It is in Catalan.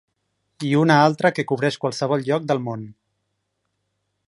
I una altra que cobreix qualsevol lloc del món.